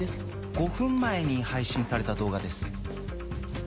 ５分前に配信された動画です。